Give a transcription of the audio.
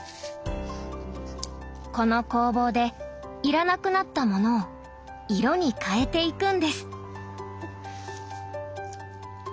この工房で要らなくなったものを色に変えていくんです。